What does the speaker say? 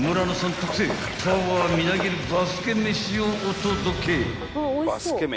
特製パワーみなぎるバスケ飯をお届け］